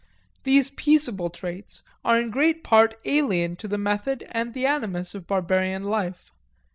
These peaceable traits are in great part alien to the methods and the animus of barbarian life.